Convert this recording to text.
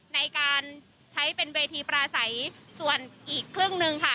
ในการใช้เป็นเวทีปราศัยส่วนอีกครึ่งหนึ่งค่ะ